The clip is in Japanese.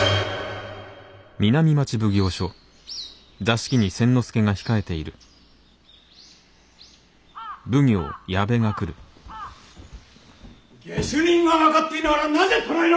下手人が分かっていながらなぜ捕らえられんのだ！？